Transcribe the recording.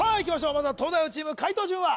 まずは東大王チーム解答順は？